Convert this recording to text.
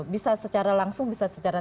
bisa secara langsung bisa secara